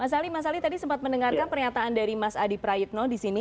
mas ali mas ali tadi sempat mendengarkan pernyataan dari mas adi prayitno di sini